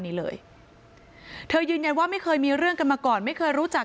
นี้เลยเธอยืนยันว่าไม่เคยมีเรื่องกันมาก่อนไม่เคยรู้จัก